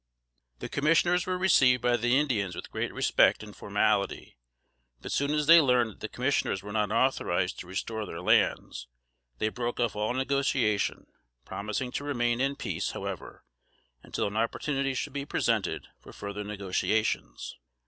The Commissioners were received by the Indians with great respect and formality; but soon as they learned that the Commissioners were not authorized to restore their lands, they broke off all negotiation, promising to remain in peace, however, until an opportunity should be presented for further negotiations.